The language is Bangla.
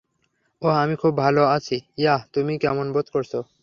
ওহ, আমি খুব ভালো আছি, ইয়াহ তুমি কেমন বোধ করছো?